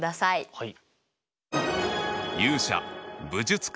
はい。